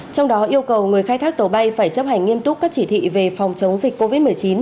trong đó yêu cầu người khai thác tàu bay phải chấp hành nghiêm túc các chỉ thị về phòng chống dịch covid một mươi chín